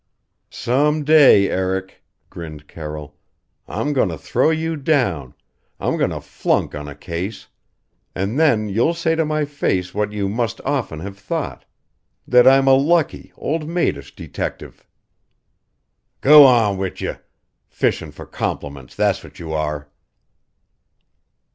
"Some day, Eric," grinned Carroll, "I'm going to throw you down I'm going to flunk on a case. And then you'll say to my face what you must often have thought that I'm a lucky, old maidish detective." "G'wan wid ye! Fishing for compliments that's what you are."